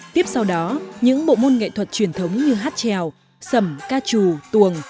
tiếp sau đó những bộ môn nghệ thuật truyền thống như hát trèo sầm ca trù tu tuồng